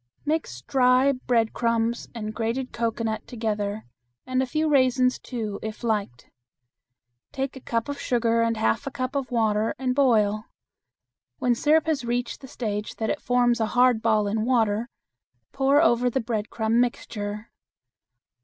Mix dry breadcrumbs and grated cocoanut together, and a few raisins, too, if liked. Take a cup of sugar and half a cup of water, and boil. When syrup has reached the stage that it forms a hard ball in water, pour over the breadcrumb mixture.